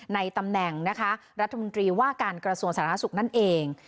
ในตำแหน่งนะคะรัฐมนตรีว่าการกระทรวงสาธารณสุขนั่นเอง